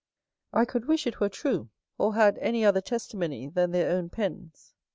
I could wish it were true, or had any other testimony than their own pens.